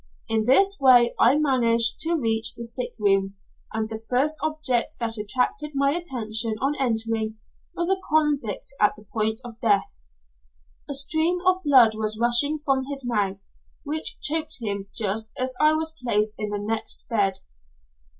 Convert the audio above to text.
In this way I managed to reach the sick room, and the first object that attracted my attention on entering, was a convict at the point of death. A stream of blood was rushing from his mouth, which choked him just as I was placed in the next bed.